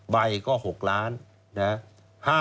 ๑ใบก็๖ล้านนะฮะ